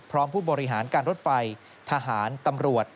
ผู้บริหารการรถไฟทหารตำรวจ